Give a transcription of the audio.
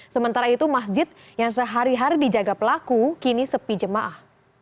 sementara itu masjid yang sehari hari dijaga pelaku kini sepi jemaah